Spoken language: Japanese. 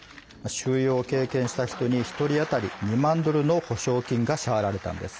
収容を経験した人に１人当たり２万ドルの補償金が支払われたんです。